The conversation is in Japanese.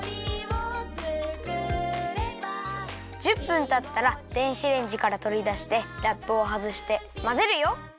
１０分たったら電子レンジからとりだしてラップをはずしてまぜるよ。